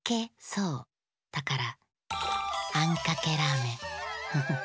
だから「あんかけラーメン」フッ。